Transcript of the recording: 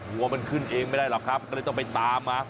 วัวมันขึ้นเองไม่ได้หรอกครับก็เลยต้องไปตามมา